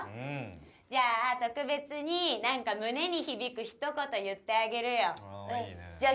じゃあ特別に何か胸に響くひと言言ってあげるよああ